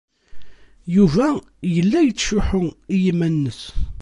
Yuba yella yettcuḥḥu i yiman-nnes.